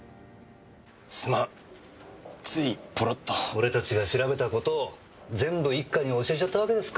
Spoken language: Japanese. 俺たちが調べた事を全部一課に教えちゃったわけですか。